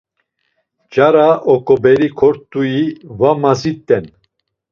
Nç̌ara oǩoberi kort̆ui va mazit̆en.